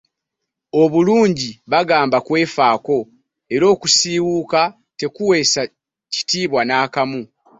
Obulungi bagamba kwefaako era okusiiwuuka tekuweesa kitiibwa n'akamu.